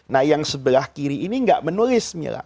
nah yang sebelah kiri ini tidak menulis